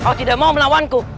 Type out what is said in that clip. kau tidak mau melawanku